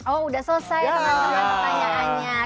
oh udah selesai teman teman pertanyaannya